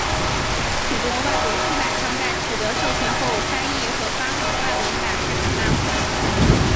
许多外国出版商在取得授权后翻译和发行外文版日本漫画。